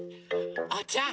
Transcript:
おうちゃん！